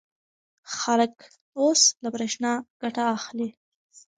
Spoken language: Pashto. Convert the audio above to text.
خلک اوس له برېښنا ګټه اخلي.